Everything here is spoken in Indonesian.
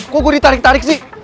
kok gue ditarik tarik sih